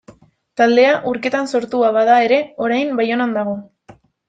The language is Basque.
Taldea Urketan sortua bada ere, orain Baionan dago.